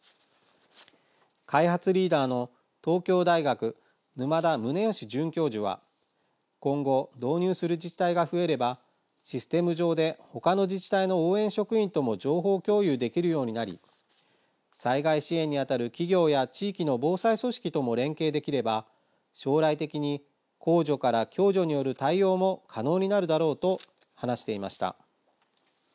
開発リーダーの東京大学、沼田宗純准教授は今後、導入する自治体が増えれば、システム上で他の自治体の応援職員とも情報共有できるようになり災害支援に当たる企業や地域の防災組織とも連携できれば将来的に公助から共助による対応も可能になるだろうと話していました。